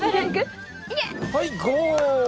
はいゴール！